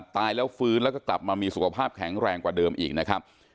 ตายแล้วฟื้นแล้วก็กลับมามีสุขภาพแข็งแรงกว่าเดิมอีกนะครับ